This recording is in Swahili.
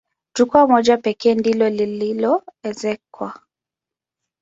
Jukwaa moja pekee ndilo lililoezekwa.